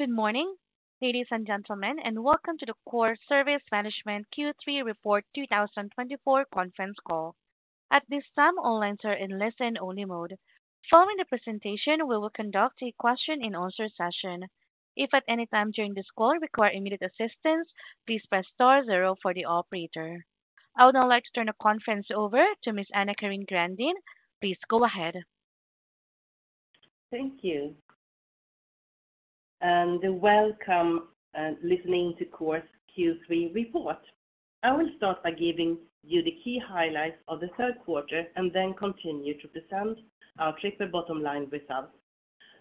Good morning, ladies and gentlemen, and welcome to the Coor Service Management Q3 Report 2024 conference call. At this time, all lines are in listen-only mode. Following the presentation, we will conduct a question and answer session. If at any time during this call require immediate assistance, please press star zero for the operator. I would now like to turn the conference over to Ms. AnnaCarin Grandin. Please go ahead. Thank you. Welcome listening to Coor's Q3 report. I will start by giving you the key highlights of the third quarter and then continue to present our triple bottom line results.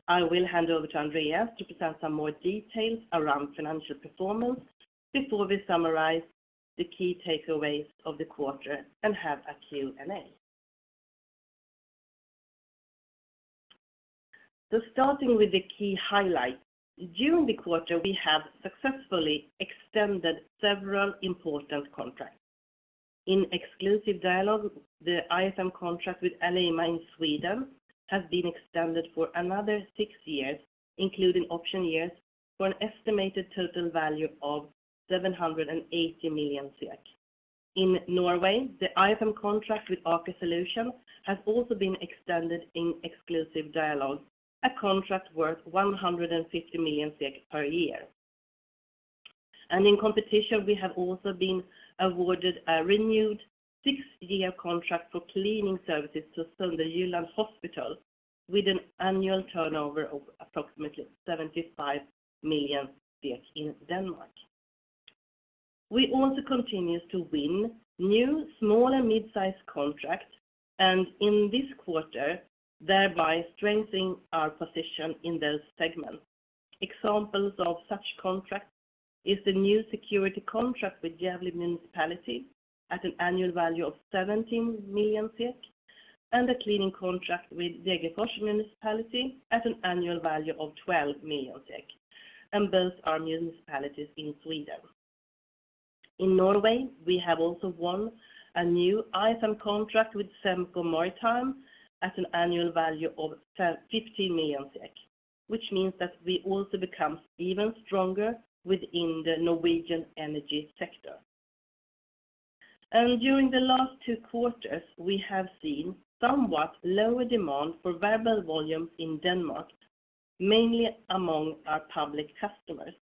I will hand over to Andreas to present some more details around financial performance before we summarize the key takeaways of the quarter and have a Q&A. Starting with the key highlights. During the quarter, we have successfully extended several important contracts. In exclusive dialogue, the IFM contract with Alleima in Sweden has been extended for another six years, including option years, for an estimated total value of 780 million. In Norway, the IFM contract with Aker Solutions has also been extended in exclusive dialogue, a contract worth 150 million SEK per year. In competition, we have also been awarded a renewed six-year contract for cleaning services to Sønderjylland Hospital, with an annual turnover of approximately 75 million in Denmark. We also continue to win new small and mid-sized contracts, and in this quarter, thereby strengthening our position in those segments. Examples of such contracts is the new security contract with Gävle Municipality at an annual value of 17 million SEK, and a cleaning contract with Degerfors Municipality at an annual value of 12 million, and both are new municipalities in Sweden. In Norway, we have also won a new IFM contract with Semco Maritime at an annual value of 10-15 million SEK, which means that we also become even stronger within the Norwegian energy sector. During the last two quarters, we have seen somewhat lower demand for variable volume in Denmark, mainly among our public customers.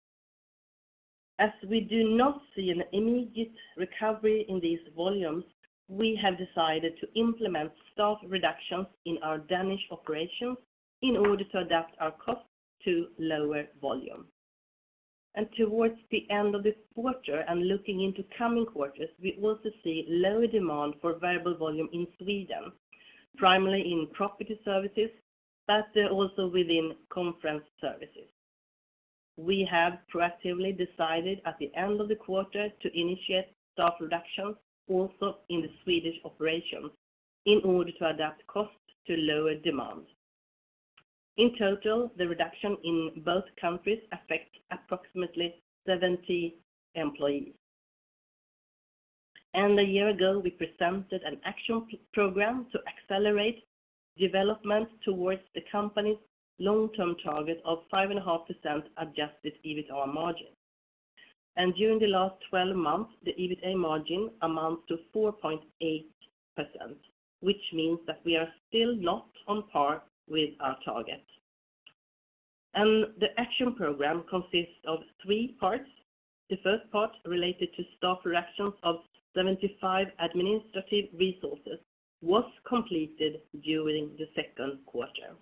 As we do not see an immediate recovery in these volumes, we have decided to implement staff reductions in our Danish operations in order to adapt our costs to lower volume. And towards the end of this quarter, and looking into coming quarters, we also see lower demand for variable volume in Sweden, primarily in property services, but also within conference services. We have proactively decided at the end of the quarter to initiate staff reductions also in the Swedish operations in order to adapt costs to lower demand. In total, the reduction in both countries affect approximately 70 employees. And a year ago, we presented an action program to accelerate development towards the company's long-term target of 5.5% adjusted EBITA margin. During the last twelve months, the EBITA margin amounts to 4.8%, which means that we are still not on par with our target. The action program consists of three parts. The first part, related to staff reductions of 75 administrative resources, was completed during the second quarter.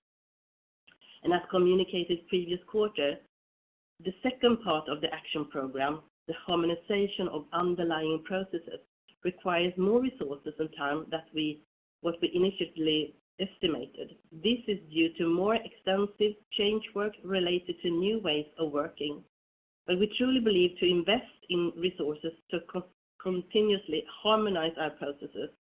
As communicated previous quarter, the second part of the action program, the harmonization of underlying processes, requires more resources and time than we initially estimated. This is due to more extensive change work related to new ways of working, but we truly believe to invest in resources to continuously harmonize our processes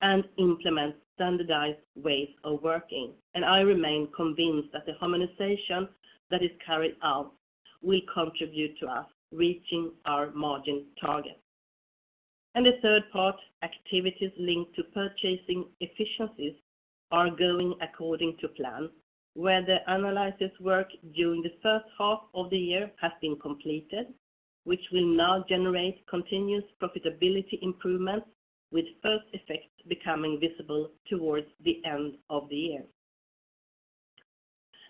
and implement standardized ways of working. I remain convinced that the harmonization that is carried out will contribute to us reaching our margin target. And the third part, activities linked to purchasing efficiencies, are going according to plan, where the analysis work during the first half of the year has been completed, which will now generate continuous profitability improvements, with first effects becoming visible toward the end of the year.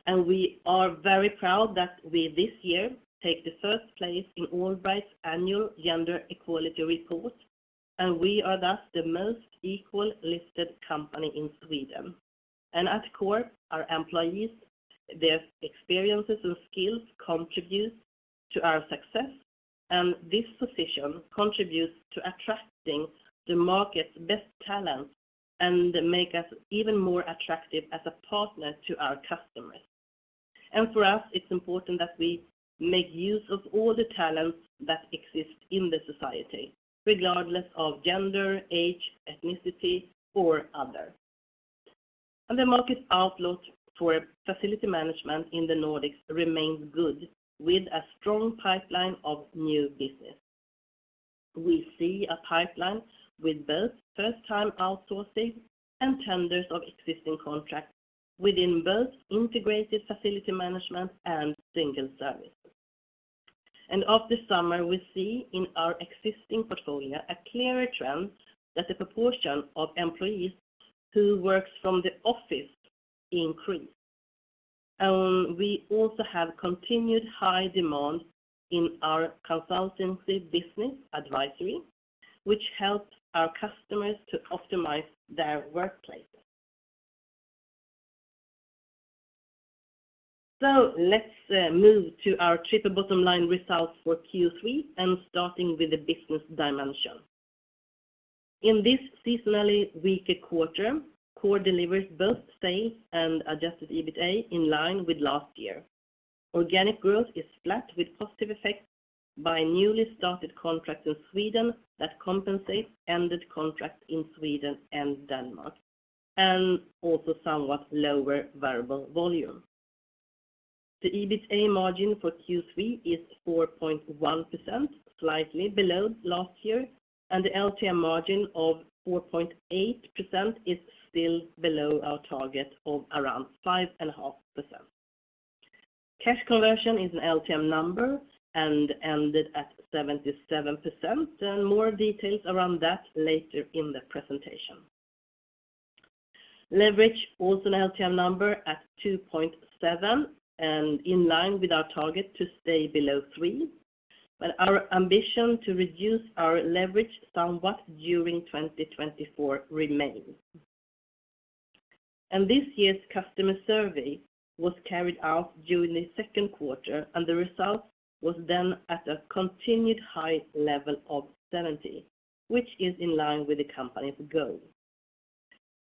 And we are very proud that we, this year, take the first place in Allbright's annual Gender Equality Report, and we are thus the most equal-listed company in Sweden. And at Coor, our employees, their experiences and skills contribute to our success, and this position contributes to attracting the market's best talent and make us even more attractive as a partner to our customers. And for us, it's important that we make use of all the talents that exist in the society, regardless of gender, age, ethnicity, or other. The market outlook for facility management in the Nordics remains good, with a strong pipeline of new business. We see a pipeline with both first time outsourcing and tenders of existing contracts within both integrated facility management and single services. Over the summer, we see in our existing portfolio a clearer trend that the proportion of employees who works from the office increase. We also have continued high demand in our consultancy business advisory, which helps our customers to optimize their workplace. Let's move to our triple bottom line results for Q3 and starting with the business dimension. In this seasonally weaker quarter, Coor delivers both sales and adjusted EBITA in line with last year. Organic growth is flat, with positive effects by newly started contracts in Sweden that compensates ended contracts in Sweden and Denmark, and also somewhat lower variable volume. The EBITA margin for Q3 is 4.1%, slightly below last year, and the LTM margin of 4.8% is still below our target of around 5.5%. Cash conversion is an LTM number and ended at 77%, and more details around that later in the presentation. Leverage, also an LTM number at 2.7, and in line with our target to stay below 3, but our ambition to reduce our leverage somewhat during 2024 remains. This year's customer survey was carried out during the second quarter, and the result was then at a continued high level of 70, which is in line with the company's goal.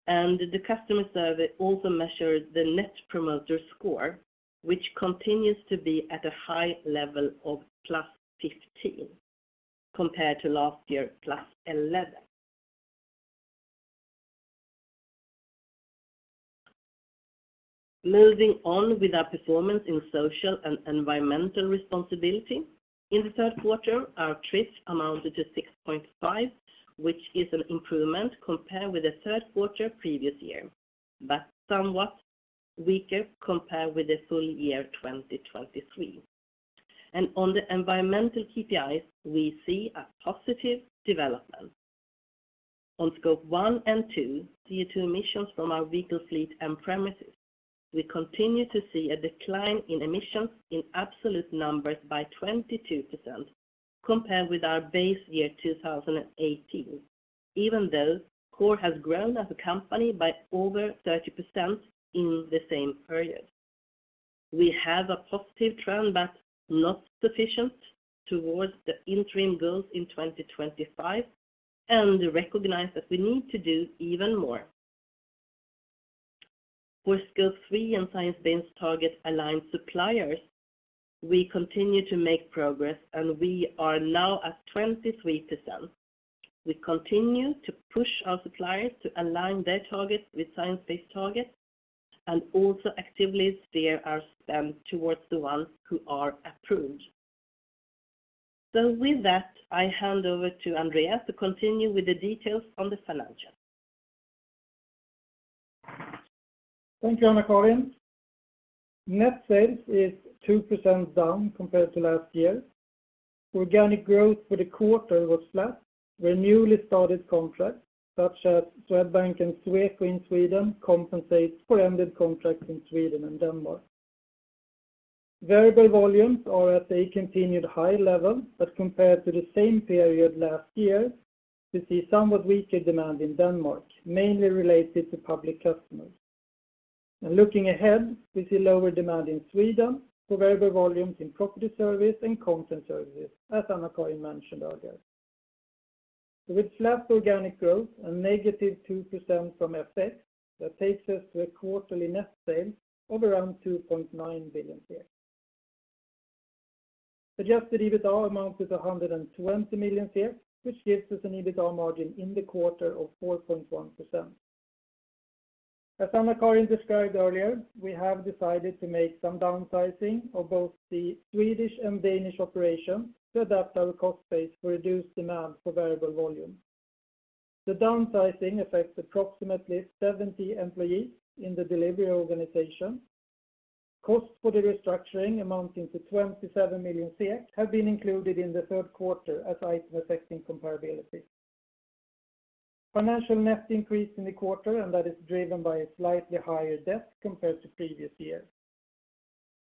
The customer survey also measured the Net Promoter Score, which continues to be at a high level of +15, compared to last year, +11. Moving on with our performance in social and environmental responsibility. In the third quarter, our TRIF amounted to 6.5, which is an improvement compared with the third quarter previous year, but somewhat weaker compared with the full year 2023. On the environmental KPIs, we see a positive development. On Scope 1 and 2, CO2 emissions from our vehicle fleet and premises, we continue to see a decline in emissions in absolute numbers by 22% compared with our base year, 2018, even though Coor has grown as a company by over 30% in the same period. We have a positive trend, but not sufficient towards the interim goals in 2025, and recognize that we need to do even more. For Scope 3 and Science-Based Targets aligned suppliers, we continue to make progress, and we are now at 23%. We continue to push our suppliers to align their targets with science-based targets and also actively steer our spend towards the ones who are approved. So with that, I hand over to Andreas to continue with the details on the financial. Thank you, AnnaCarin. Net sales is 2% down compared to last year. Organic growth for the quarter was flat, where newly started contracts, such as Swedbank and Sweco in Sweden, compensates for ended contracts in Sweden and Denmark. Variable volumes are at a continued high level, but compared to the same period last year, we see somewhat weaker demand in Denmark, mainly related to public customers, and looking ahead, we see lower demand in Sweden for variable volumes in property services and conference services, as AnnaCarin mentioned earlier. With flat organic growth and -2% from FX, that takes us to quarterly net sales of around 2.9 billion. Adjusted EBITA amounts to 120 million, which gives us an EBITA margin in the quarter of 4.1%. As AnnaCarin described earlier, we have decided to make some downsizing of both the Swedish and Danish operations to adapt our cost base to reduce demand for variable volume. The downsizing affects approximately seventy employees in the delivery organization. Costs for the restructuring, amounting to 27 million, have been included in the third quarter as item affecting comparability. Financial net increase in the quarter, and that is driven by a slightly higher debt compared to previous year.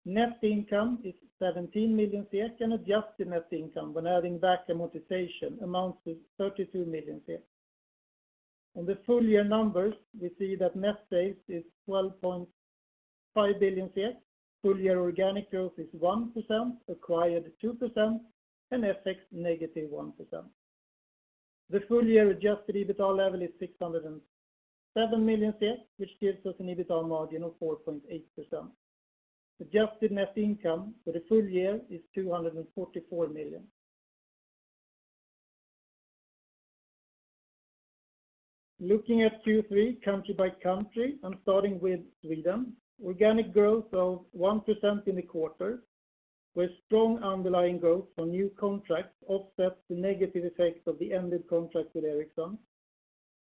Net income is 17 million, and adjusted net income, when adding back amortization, amounts to 32 million. On the full year numbers, we see that net sales is 12.5 billion. Full year organic growth is 1%, acquired 2%, and FX, -1%. The full year adjusted EBITA level is 607 million, which gives us an EBITA margin of 4.8%. Adjusted net income for the full year is 244 million. Looking at Q3 country by country, I'm starting with Sweden. Organic growth of 1% in the quarter, with strong underlying growth from new contracts offset the negative effects of the ended contract with Ericsson.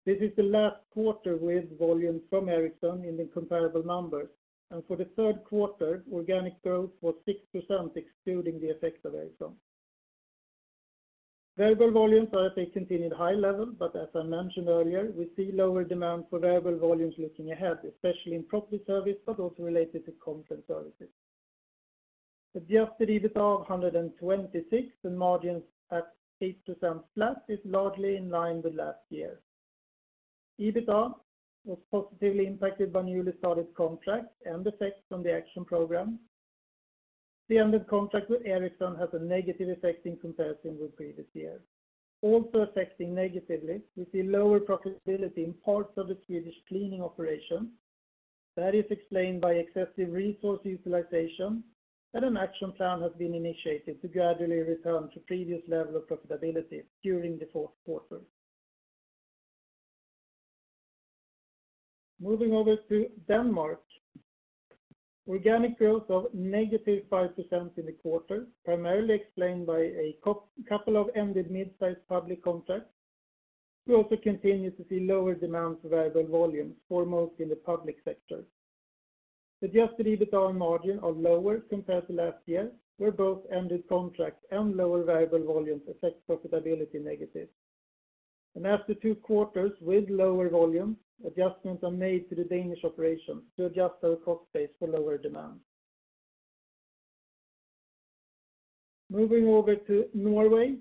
This is the last quarter with volume from Ericsson in the comparable numbers, and for the third quarter, organic growth was 6%, excluding the effects of Ericsson. Variable volumes are at a continued high level, but as I mentioned earlier, we see lower demand for variable volumes looking ahead, especially in property service, but also related to conference services. Adjusted EBITA of 126, and margins at 8% flat is largely in line with last year. EBITA was positively impacted by newly started contracts and effects from the action program. The ended contract with Ericsson has a negative effect in comparison with previous year. Also affecting negatively, we see lower profitability in parts of the Swedish cleaning operation. That is explained by excessive resource utilization, and an action plan has been initiated to gradually return to previous level of profitability during the fourth quarter. Moving over to Denmark. Organic growth of -5% in the quarter, primarily explained by a couple of ended mid-sized public contracts. We also continue to see lower demand for variable volumes, foremost in the public sector. Adjusted EBITA and margin are lower compared to last year, where both ended contracts and lower variable volumes affect profitability negative. After two quarters with lower volumes, adjustments are made to the Danish operations to adjust our cost base for lower demand. Moving over to Norway,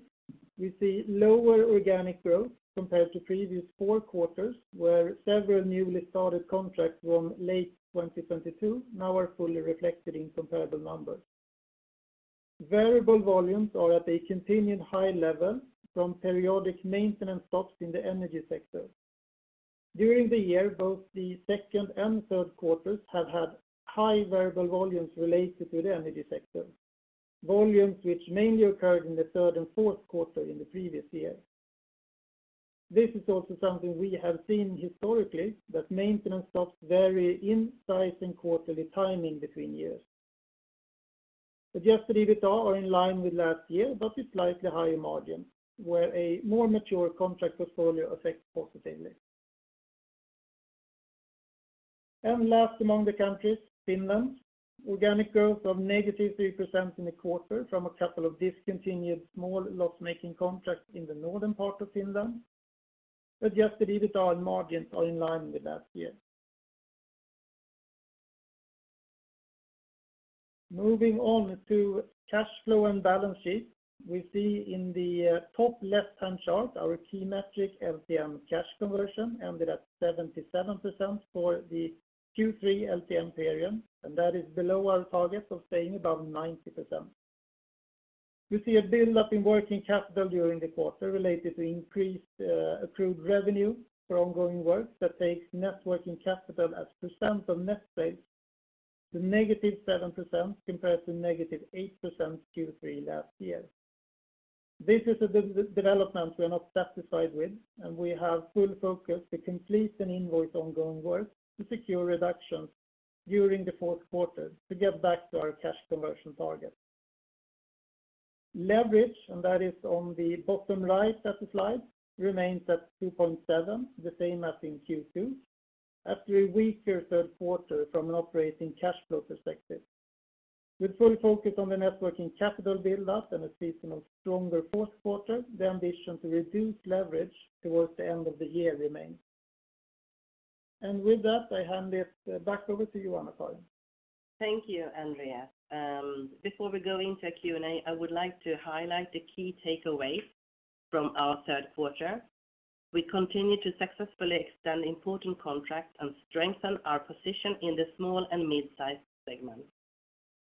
we see lower organic growth compared to previous four quarters, where several newly started contracts from late 2022 now are fully reflected in comparable numbers. Variable volumes are at a continued high level from periodic maintenance stops in the energy sector. During the year, both the second and third quarters have had high variable volumes related to the energy sector, volumes which mainly occurred in the third and fourth quarter in the previous year. This is also something we have seen historically, that maintenance stops vary in size and quarterly timing between years. Adjusted EBITA are in line with last year, but with slightly higher margin, where a more mature contract portfolio affects positively. Last among the countries, Finland, organic growth of -3% in the quarter from a couple of discontinued small loss-making contracts in the northern part of Finland. Adjusted EBITA and margins are in line with last year. Moving on to cash flow and balance sheet, we see in the top left-hand chart, our key metric, LTM cash conversion, ended at 77% for the Q3 LTM period, and that is below our target of staying above 90%. We see a build-up in working capital during the quarter related to increased approved revenue for ongoing work that takes net working capital as percent of net sales to -7%, compared to -8% Q3 last year. This is a development we are not satisfied with, and we have full focus to complete and invoice ongoing work to secure reductions during the fourth quarter to get back to our cash conversion target. Leverage, and that is on the bottom right of the slide, remains at 2.7, the same as in Q2, after a weaker third quarter from an operating cash flow perspective. With full focus on the net working capital build-up and a seasonally stronger fourth quarter, the ambition to reduce leverage towards the end of the year remains. And with that, I hand it back over to you, AnnaCarin. Thank you, Andreas. Before we go into Q&A, I would like to highlight the key takeaways from our third quarter. We continue to successfully extend important contracts and strengthen our position in the small and mid-sized segment.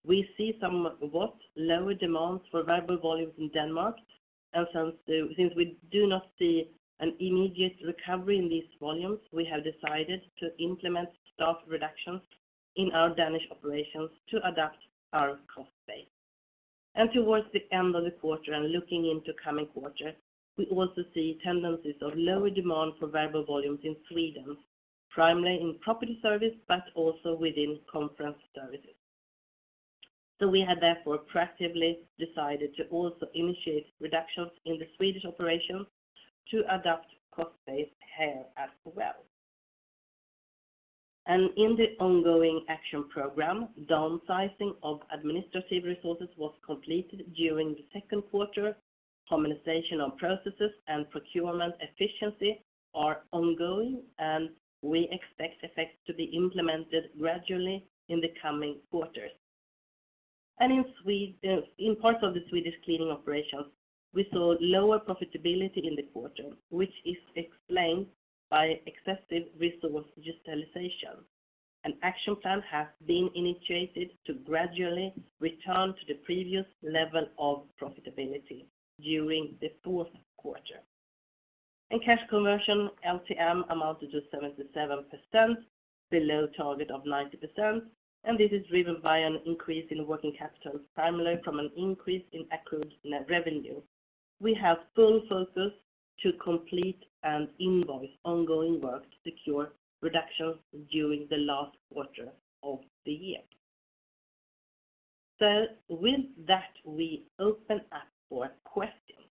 We see somewhat lower demand for variable volumes in Denmark, and since we do not see an immediate recovery in these volumes, we have decided to implement staff reductions in our Danish operations to adapt our cost base. Towards the end of the quarter and looking into coming quarter, we also see tendencies of lower demand for variable volumes in Sweden, primarily in property service, but also within conference services. We have therefore proactively decided to also initiate reductions in the Swedish operations to adapt cost base here as well. In the ongoing action program, downsizing of administrative resources was completed during the second quarter. Harmonization of processes and procurement efficiency are ongoing, and we expect effects to be implemented gradually in the coming quarters. And in parts of the Swedish cleaning operations, we saw lower profitability in the quarter, which is explained by excessive resource utilization. An action plan has been initiated to gradually return to the previous level of profitability during the fourth quarter. In cash conversion, LTM amounted to 77% below target of 90%, and this is driven by an increase in working capital, primarily from an increase in accrued net revenue. We have full focus to complete and invoice ongoing work to secure reduction during the last quarter of the year. So with that, we open up for questions.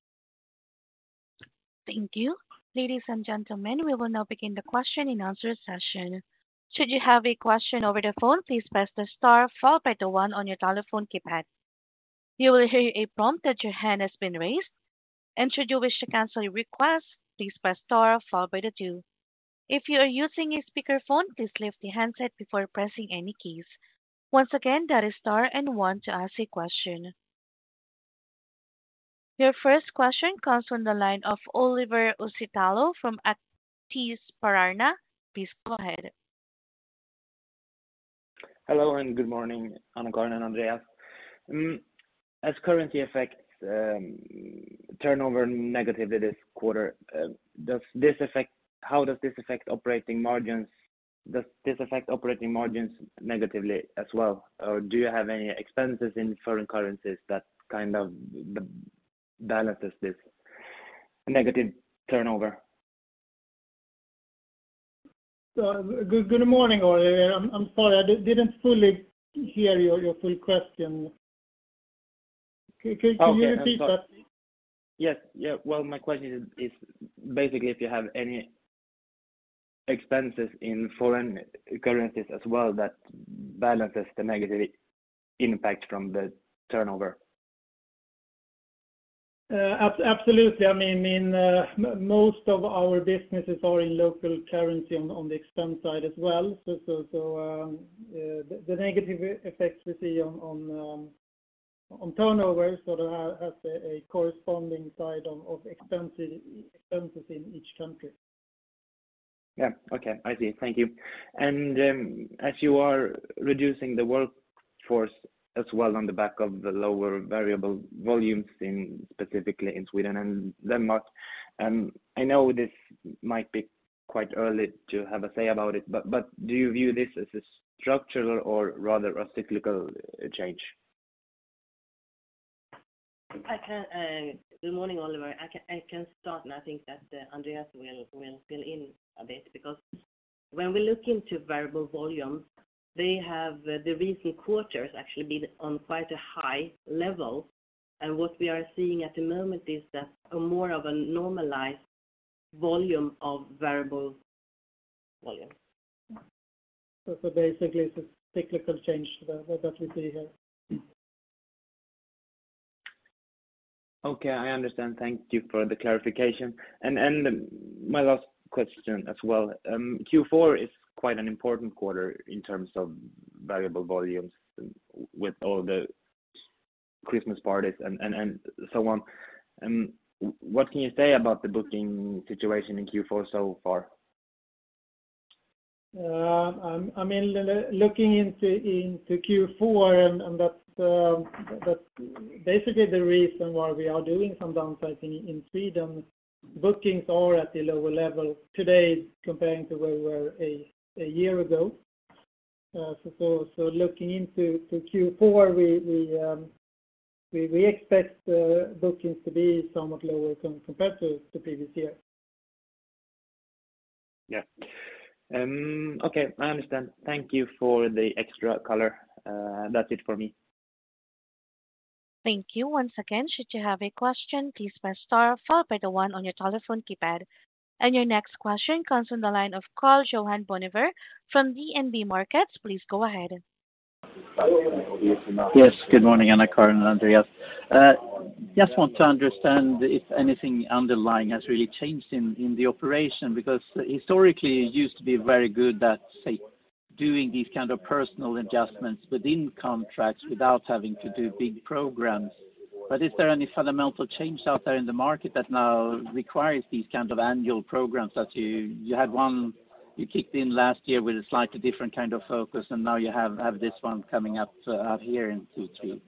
Thank you. Ladies and gentlemen, we will now begin the question and answer session. Should you have a question over the phone, please press the star followed by the one on your telephone keypad. You will hear a prompt that your hand has been raised, and should you wish to cancel your request, please press star followed by the two. If you are using a speakerphone, please lift the handset before pressing any keys. Once again, that is star and one to ask a question. Your first question comes from the line of Oliver Uusitalo from Aktiespararna. Please go ahead. Hello, and good morning, AnnaCarin and Andreas. As currency effects turnover negatively this quarter, how does this affect operating margins? Does this affect operating margins negatively as well, or do you have any expenses in foreign currencies that kind of balances this negative turnover? Good morning, Oliver. I'm sorry, I didn't fully hear your full question. Could you repeat that? Yes. Yeah, well, my question is basically if you have any expenses in foreign currencies as well, that balances the negative impact from the turnover? Absolutely. I mean, most of our businesses are in local currency on the expense side as well. So, the negative effects we see on turnover, sort of, have a corresponding side of expenses in each country. Yeah. Okay, I see. Thank you. And, as you are reducing the workforce as well on the back of the lower variable volumes in specifically Sweden and Denmark, I know this might be quite early to have a say about it, but do you view this as a structural or rather a cyclical change? Good morning, Oliver. I can start, and I think that Andreas will fill in a bit, because when we look into variable volumes, they have the recent quarters actually been on quite a high level. And what we are seeing at the moment is that a more of a normalized volume of variable volume. So basically, it's a cyclical change that we see here. Okay, I understand. Thank you for the clarification. And my last question as well, Q4 is quite an important quarter in terms of variable volumes with all the Christmas parties and so on. What can you say about the booking situation in Q4 so far? I mean, looking into Q4, and that basically the reason why we are doing some downsizing in Sweden, bookings are at a lower level today comparing to where we were a year ago. So looking into Q4, we expect bookings to be somewhat lower compared to the previous year. Yeah. Okay, I understand. Thank you for the extra color. That's it for me. Thank you. Once again, should you have a question, please press star followed by the one on your telephone keypad. And your next question comes from the line of Karl-Johan Bonnevier from DNB Markets. Please go ahead. Yes, good morning, AnnaCarin and Andreas. Just want to understand if anything underlying has really changed in the operation, because historically, it used to be very good at, say, doing these kind of personnel adjustments within contracts without having to do big programs. But is there any fundamental change out there in the market that now requires these kind of annual programs that you had one you kicked in last year with a slightly different kind of focus, and now you have this one coming up here in Q2?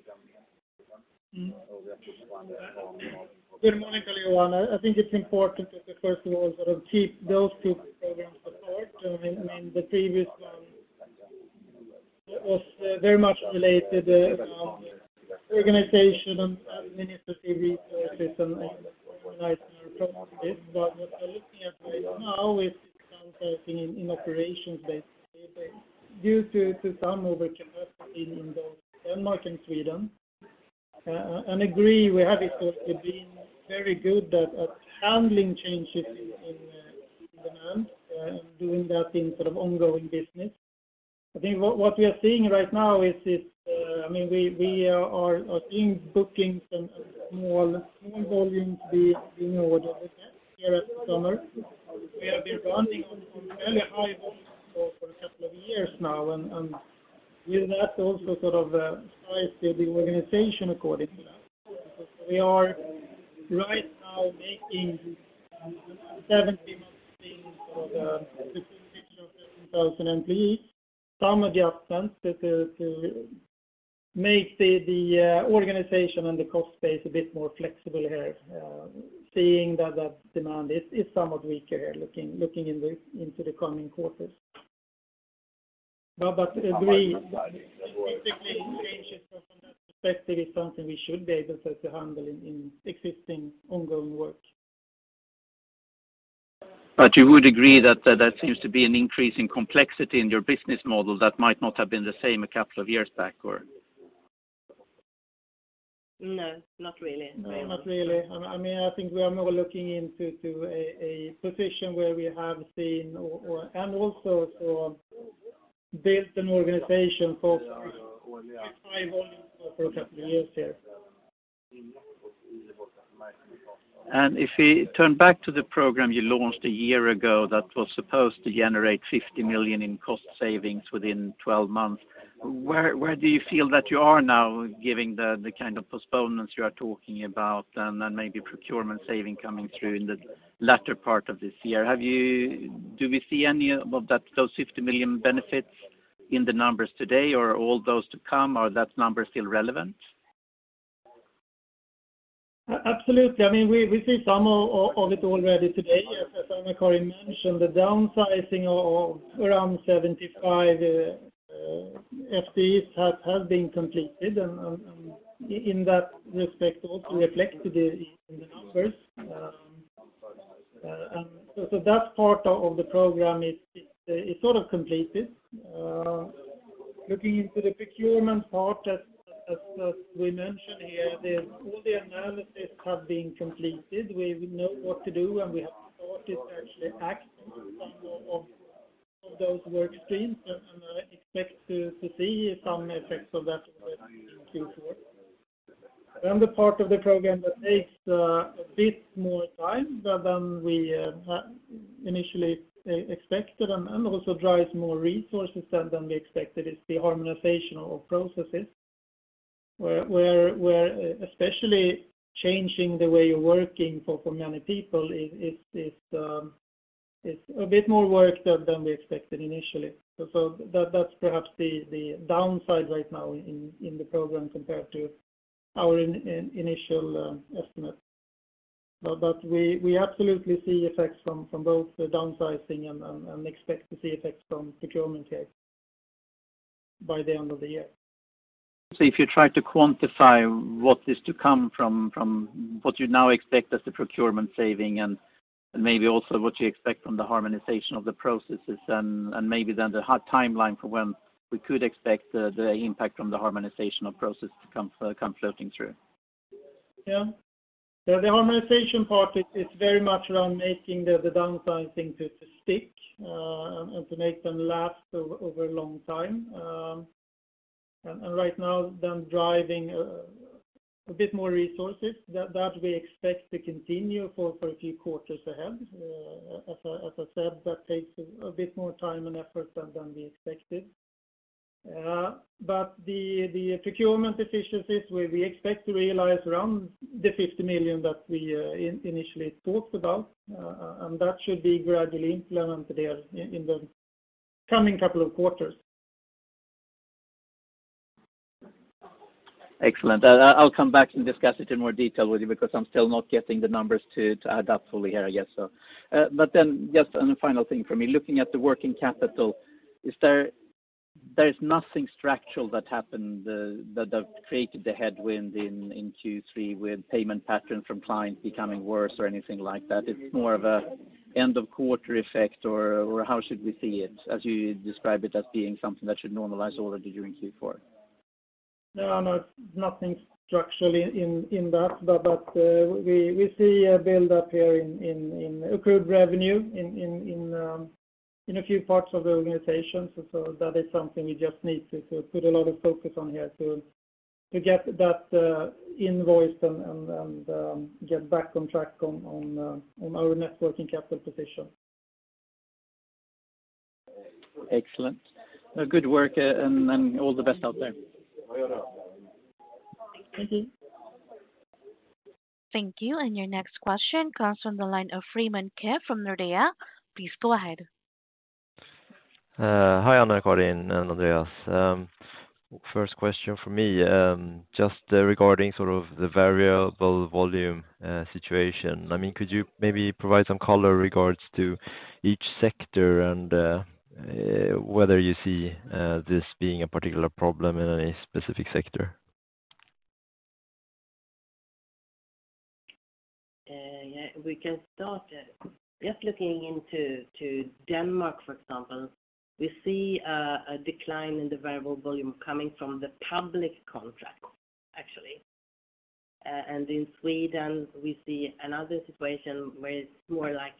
Good morning, Carl Johan. I think it's important that the first of all, sort of, keep those two programs apart. I mean, the previous one was very much related around organization and administrative resources and but what we're looking at right now is downsizing in operations based due to some overcapacity in both Denmark and Sweden. And I agree, we have been very good at handling changes in demand and doing that in sort of ongoing business. I think what we are seeing right now is, I mean, we are seeing bookings and small volumes be new orders here at summer. We have been running on fairly high volumes for a couple of years now, and with that also sort of size the organization according to that. We are right now making 70 out of the 15 or 13 thousand employees, some adjustments to make the organization and the cost base a bit more flexible here, seeing that the demand is somewhat weaker here, looking into the coming quarters. No, but we- From that perspective is something we should be able to handle in existing ongoing work. But you would agree that seems to be an increase in complexity in your business model that might not have been the same a couple of years back, or? No, not really. No, not really. I mean, I think we are more looking into a position where we have seen or and also sort of build an organization for high volume for a couple of years here. If we turn back to the program you launched a year ago that was supposed to generate 50 million in cost savings within twelve months, where do you feel that you are now, given the kind of postponements you are talking about, and then maybe procurement saving coming through in the latter part of this year? Do we see any of that, those 50 million benefits in the numbers today, or are all those to come, or are that number still relevant? Absolutely. I mean, we see some of it already today. As AnnaCarin mentioned, the downsizing of around 75 FTEs has been completed, and in that respect, also reflected in the numbers. And so that part of the program is sort of completed. Looking into the procurement part, as we mentioned here, all the analysis have been completed. We know what to do, and we have started to actually act on those work streams, and I expect to see some effects of that in Q4. Then the part of the program that takes a bit more time than we initially expected and also drives more resources than we expected is the harmonization of processes. Where especially changing the way you're working for many people is a bit more work than we expected initially. So that that's perhaps the downside right now in the program compared to our initial estimate, but we absolutely see effects from both the downsizing and expect to see effects from procurement here by the end of the year. So if you try to quantify what is to come from what you now expect as the procurement saving, and maybe also what you expect from the harmonization of the processes, and maybe then the hard timeline for when we could expect the impact from the harmonization of processes to come floating through? Yeah. The harmonization part is very much around making the downsizing to stick, and to make them last over a long time. And right now, them driving a bit more resources, that we expect to continue for a few quarters ahead. As I said, that takes a bit more time and effort than we expected. But the procurement efficiencies, where we expect to realize around 50 million that we initially talked about, and that should be gradually implemented there in the coming couple of quarters. Excellent. I'll come back and discuss it in more detail with you because I'm still not getting the numbers to add up fully here, I guess so. But then just a final thing for me, looking at the working capital, is there? There's nothing structural that happened that created the headwind in Q3 with payment pattern from clients becoming worse or anything like that? It's more of an end of quarter effect or how should we see it, as you describe it as being something that should normalize already during Q4? No, nothing structurally in that. But we see a build up here in accrued revenue in a few parts of the organization. So that is something we just need to put a lot of focus on here to get that invoice and get back on track on our net working capital position. Excellent. Good work, and all the best out there. Thank you. Thank you. Your next question comes from the line of Freeman Keir from Nordea. Please go ahead. Hi, AnnaCarin and Andreas. First question for me, just regarding sort of the variable volume situation. I mean, could you maybe provide some color regards to each sector and whether you see this being a particular problem in any specific sector? Yeah, we can start just looking into Denmark, for example. We see a decline in the variable volume coming from the public contract, actually. In Sweden, we see another situation where it's more like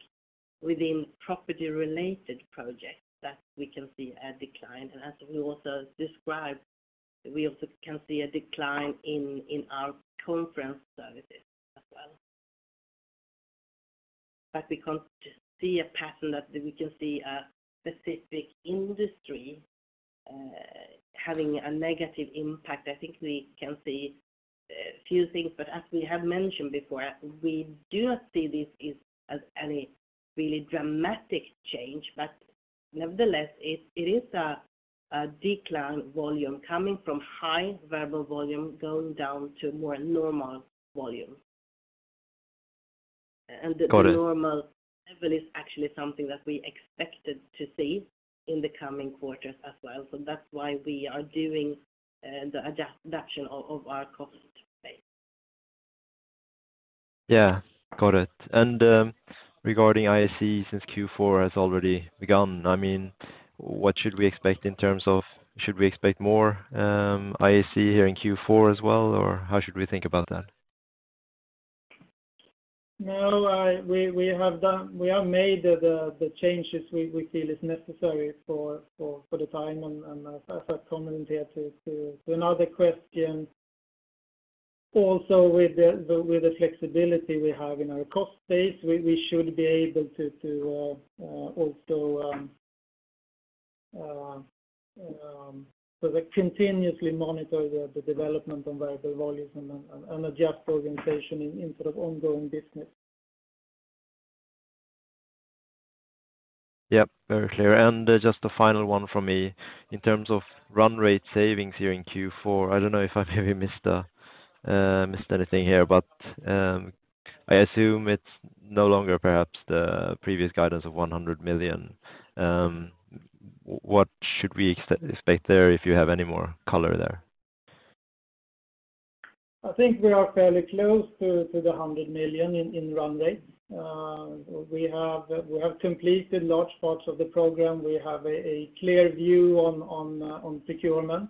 within property-related projects that we can see a decline. As we also described, we also can see a decline in our conference services as well. We can't see a pattern that we can see a specific industry having a negative impact. I think we can see a few things, but as we have mentioned before, we do not see this as any really dramatic change, but nevertheless, it is a decline volume coming from high variable volume going down to more normal volume. And the normal- Got it. Level is actually something that we expected to see in the coming quarters as well. So that's why we are doing the adaptation of our cost base. Yeah, got it, and regarding IAC, since Q4 has already begun, I mean, what should we expect in terms of... Should we expect more IAC here in Q4 as well, or how should we think about that? No, we have made the changes we feel is necessary for the time, and as commented here to another question, also with the flexibility we have in our cost base, we should be able to also so like continuously monitor the development on variable volumes and adjust the organization in sort of ongoing business. Yep, very clear. And just a final one from me. In terms of run rate savings here in Q4, I don't know if I maybe missed anything here, but I assume it's no longer perhaps the previous guidance of 100 million. What should we expect there, if you have any more color there? I think we are fairly close to the 100 million in run rate. We have completed large parts of the program. We have a clear view on procurement.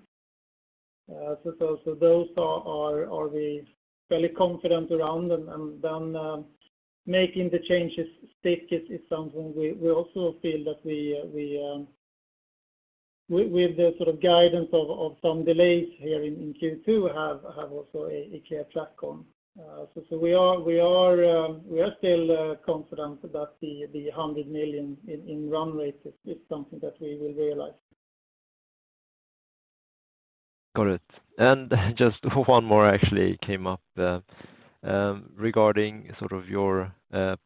So those are areas we are fairly confident around and then making the changes stick is something we also feel that, with the sort of guidance of some delays here in Q2, we have also a clear track on. So we are still confident about the 100 million in run rate is something that we will realize. Got it. And just one more actually came up. Regarding sort of your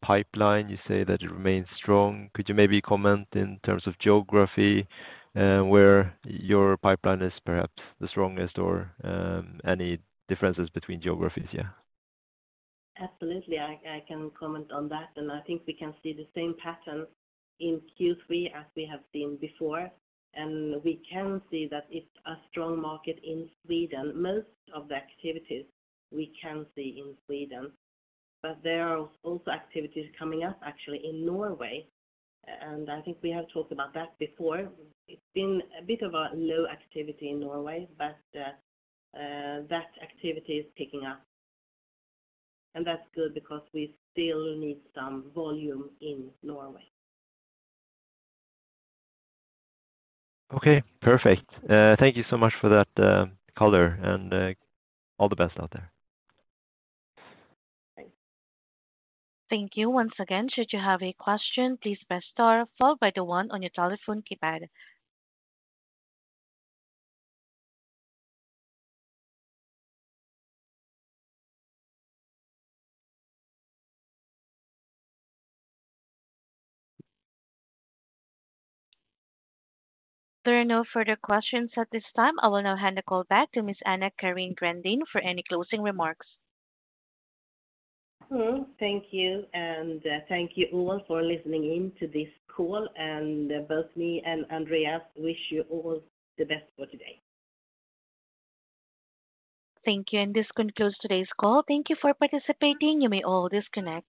pipeline, you say that it remains strong. Could you maybe comment in terms of geography, where your pipeline is perhaps the strongest or any differences between geographies, yeah? Absolutely, I can comment on that, and I think we can see the same pattern in Q3 as we have seen before, and we can see that it's a strong market in Sweden. Most of the activities we can see in Sweden, but there are also activities coming up actually in Norway, and I think we have talked about that before. It's been a bit of a low activity in Norway, but that activity is picking up, and that's good because we still need some volume in Norway. Okay, perfect. Thank you so much for that, color, and all the best out there. Thank you. Once again, should you have a question, please press star followed by the one on your telephone keypad. There are no further questions at this time. I will now hand the call back to Ms. AnnaCarin Grandin for any closing remarks. Thank you, and, thank you all for listening in to this call, and, both me and Andreas wish you all the best for today. Thank you, and this concludes today's call. Thank you for participating. You may all disconnect.